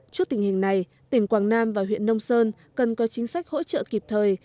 trước tình hình này tỉnh quảng nam và huyện nông sơn cần có chính sách hỗ trợ kịp thời